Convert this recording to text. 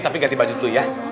tapi ganti baju dulu ya